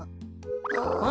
あ？